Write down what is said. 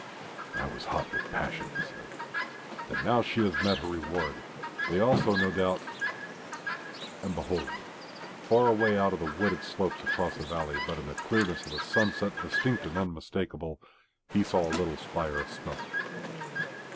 "I was hot with passion," he said, "and now she has met her reward. They also, no doubt " And behold! Far away out of the wooded slopes across the valley, but in the clearness of the sunset distinct and unmistakable, he saw a little spire of smoke.